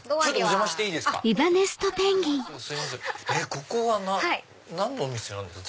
ここは何のお店なんですか？